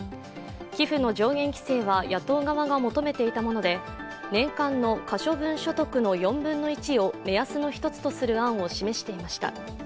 寄付の上限規制は野党側が求めていたもので年間の可処分所得の４分の１を目安の一つとする案を示していました。